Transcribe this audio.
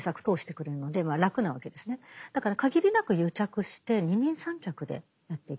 だから限りなく癒着して二人三脚でやっていく。